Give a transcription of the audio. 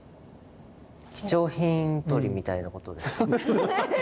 貴重品取りみたいなことですか？